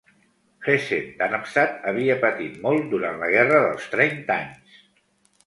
Hessen-Darmstadt havia patit molt durant la Guerra dels Trenta Anys.